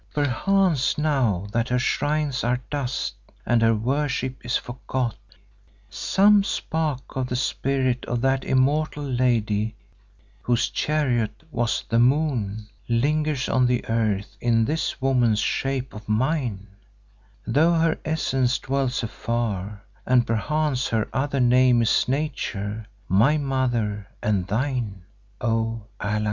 Perchance now that her shrines are dust and her worship is forgot, some spark of the spirit of that immortal Lady whose chariot was the moon, lingers on the earth in this woman's shape of mine, though her essence dwells afar, and perchance her other name is Nature, my mother and thine, O Allan.